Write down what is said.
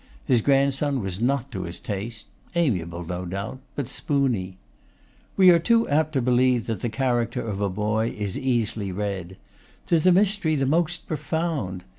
His grandson was not to his taste; amiable no doubt, but spooney. We are too apt to believe that the character of a boy is easily read. 'Tis a mystery the most profound.